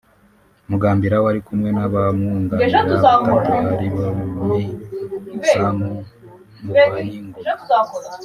Mugambira wari kumwe n’abamwunganira batatu ari bo Me Sam Nkubayingoga